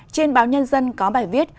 trên báo nhân dân có bài viết